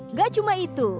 nggak cuma itu